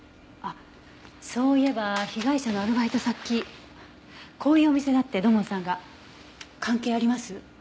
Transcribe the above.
あっそういえば被害者のアルバイト先こういうお店だって土門さんが。関係あります？